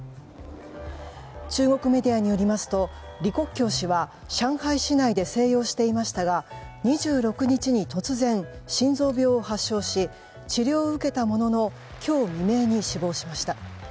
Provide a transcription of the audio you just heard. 中国メディアによりますと李克強氏は上海市内で静養していましたが２６日に突然心臓病を発症し治療を受けたものの今日未明に死亡しました。